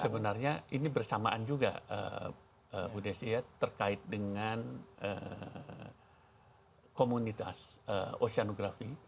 sebenarnya ini bersamaan juga budesia terkait dengan komunitas oseanografi